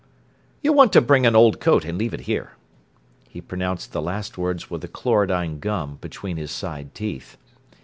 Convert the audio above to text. "You want to bring an old coat and leave it here." He pronounced the last words with the chlorodyne gum between his side teeth.